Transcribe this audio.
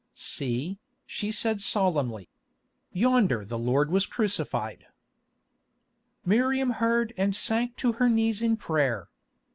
"See," she said solemnly. "Yonder the Lord was crucified." Miriam heard and sank to her knees in prayer.